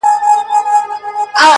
• د شپې نيمي كي.